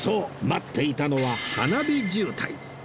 待っていたのは花火渋滞